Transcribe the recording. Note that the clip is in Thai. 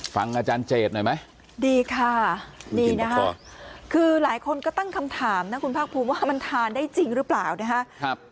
ฟังอาจารย์เจดหน่อยไหมดีค่ะดีนะคะคือหลายคนก็ตั้งคำถามนะคุณภาคภูมิว่ามันทานได้จริงหรือเปล่านะครับ